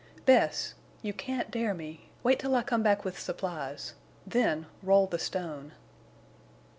"Bess!... You can't dare me! Wait till I come back with supplies—then roll the stone."